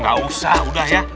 gak usah udah ya